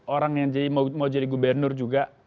orang yang mau jadi gubernur juga